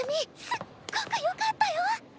すっごくよかったよ！